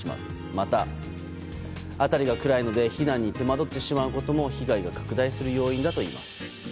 また、辺りが暗いので避難に手間取ってしまうことも被害が拡大する要因だといいます。